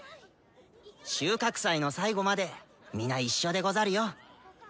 収穫祭の最後まで皆一緒でござるよ。